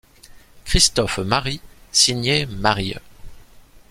Christophe Marie signait Marye.